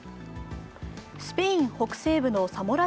スペイン北西部のサモラ